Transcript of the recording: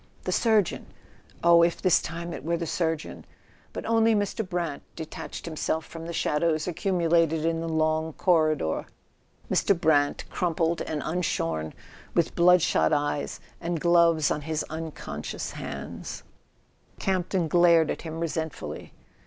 The surgeon? Oh, if this time it were the surgeon! But only Mr. Brant de¬ tached himself from the shadows accumulated in the long corridor: Mr. Brant, crumpled and unshorn, with blood shot eyes, and gloves on his unconscious hands. [ 288 ] A SON AT THE FRONT Campton glared at him resentfully.